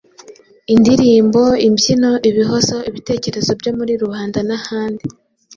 indirimbo, imbyino, ibihozo, ibitekerezo byo muri rubanda n’ahandi.